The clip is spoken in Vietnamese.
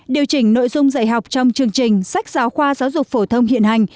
điều chỉnh nội dung dạy học trong chương trình sách giáo khoa giáo dục phổ thông hiện hành